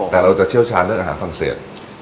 แต่เราจะเชี่ยวชาญเรื่องอาหารฝรั่งเศส